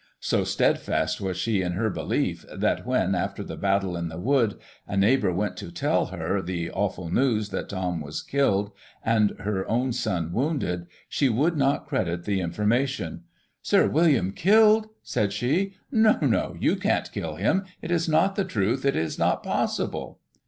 So steadfast was she in her belief, that when, after the battle in the wood, a neighbour went to tell her * the awful news,' that Thom was killed, and her own son wounded, she would not credit the information. ' Sir William killed !' said she, ' no, no, you can't kill him ; it is not the truth, it is not possible.'